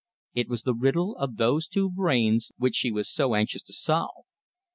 It was the riddle of those two brains which she was so anxious to solve.